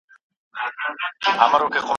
حیا مي ژبه ګونګۍ کړې ده څه نه وایمه